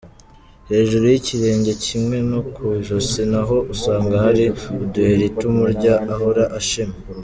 Hejuru y’ikirenge kimwe no ku ijosi naho usanga hari uduheri tumurya ahora ashima.